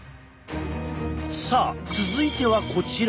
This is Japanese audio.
さあ続いてはこちら！